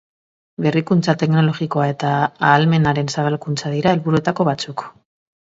Berrikuntza teknologikoa eta ahalmenaren zabalkuntza dira helburuetako batzuk.